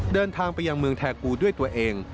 เดินทางไปยังเมืองแทกูด้วยตัวเอง